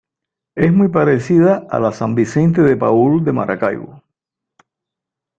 Es muy parecida a la San Vicente de Paúl de Maracaibo.